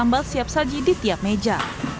dan tidak menyediakan sambal siap saji di tiap meja